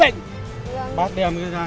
cô đi đồng ý mua không